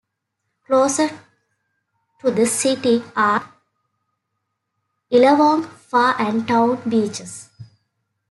Closest to the city are Illawong, Far and Town beaches.